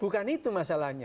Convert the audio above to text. bukan itu masalahnya